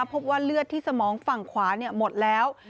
พบว่าเลือดที่สมองฝั่งขวาหมดแล้ว